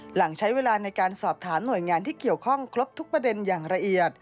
หลังใช้เวลาในการสอบถามหน่วยงานที่เกี่ยวข้องครบทุกประเด็นอย่างละเอียด